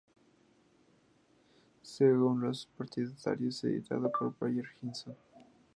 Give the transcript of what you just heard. Según la partitura editada por Breyer Hnos.